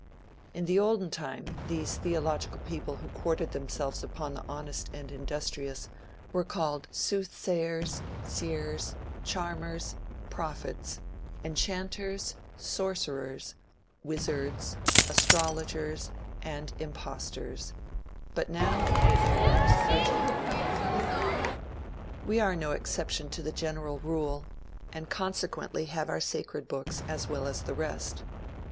In the olden time these theological people who quartered themselves upon the honest and industrious, were called soothsayers, seers, charmers, prophets, enchanters, sorcerers, wizards, astrologers, and impostors, but now, they are known as clergymen. We are no exception to the general rule, and consequently have our sacred books as well as the rest.